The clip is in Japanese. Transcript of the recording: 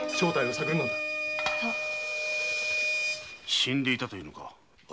死んでいたというのか。